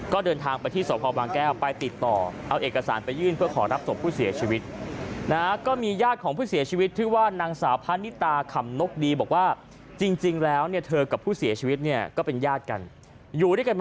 ก็เดินทางไปที่สวพาวบางแก้วไปติดต่อ